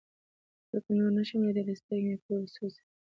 ځکه نور نشم ليدلى سترګې مې پرې سوزي.